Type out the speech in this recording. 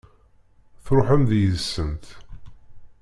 Tṛuḥem deg-sent.